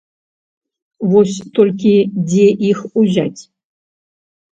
Вось толькі дзе іх узяць?